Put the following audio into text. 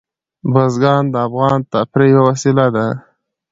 بزګان د افغانانو د تفریح یوه وسیله ده.